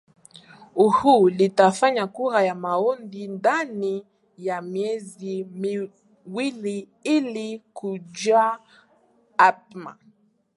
u u litafanya kura ya maoni ndani ya miezi miwili ili kujua hatma